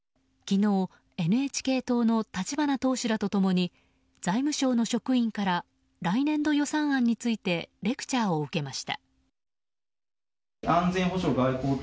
昨日、ＮＨＫ党の立花党首らと共に財務省の職員から来年度予算案についてレクチャーを受けました。